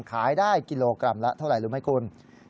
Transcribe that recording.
ขายได้กิโลกรัมละเท่าไหร่รู้ไหมคุณ